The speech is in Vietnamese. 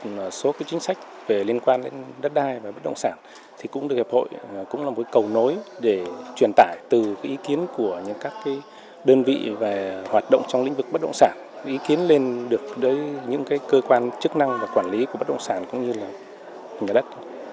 một số chính sách về liên quan đến đất đai và bất động sản thì cũng được hiệp hội cũng là một cầu nối để truyền tải từ ý kiến của những các đơn vị về hoạt động trong lĩnh vực bất động sản ý kiến lên được những cơ quan chức năng và quản lý của bất động sản cũng như là nhà đất